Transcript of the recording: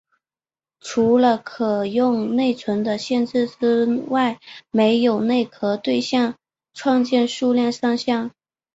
除了可用内存的限制之外没有内核对象创建数量上限。